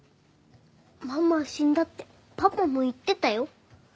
ママは死んだってパパも言ってたよ。